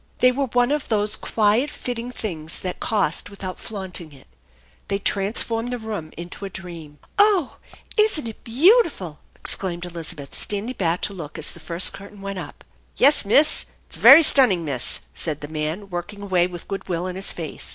They were one of those quiet fitting things that cost without flaunt ing it. They transformed the room into a dream. "Oh, isn't it beautiful!" exclaimed Elizabeth, standing back to look as the first curtain went up. " Yes, Miss, it's very stunning, Miss," said the man, work ing away with good will in his face.